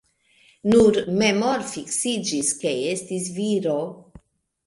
Nur memorfiksiĝis ke estis viro.